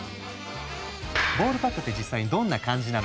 ボールパークって実際にどんな感じなのか？